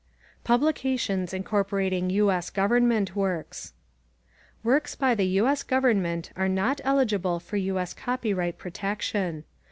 =Publications Incorporating U. S. Government Works= Works by the U. S. Government are not eligible for U. S. copyright protection.